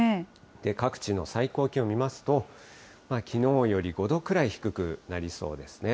各地の最高気温見ますと、きのうより５度くらい低くなりそうですね。